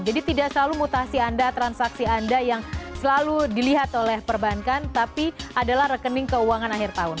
jadi tidak selalu mutasi anda transaksi anda yang selalu dilihat oleh perbankan tapi adalah rekening keuangan akhir tahun